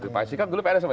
pak isi kan dulu pns apa ya